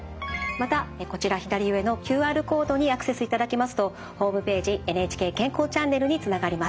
またこちら左上のＱＲコードにアクセスいただきますとホームページ「ＮＨＫ健康チャンネル」につながります。